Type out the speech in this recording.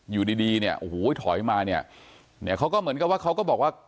อยู่ดีดีเนี่ยโอ้โหถอยมาเนี่ยเนี่ยเขาก็เหมือนกับว่าเขาก็บอกว่า